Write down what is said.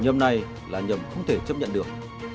nhầm này là nhầm không thể chấp nhận được